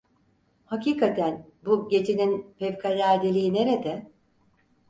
Hakikaten bu gecenin fevkaladeliği nerede?